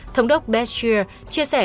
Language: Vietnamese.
thống đốc beshear chia sẻ